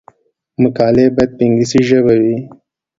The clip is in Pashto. مقالې باید په انګلیسي ژبه وي.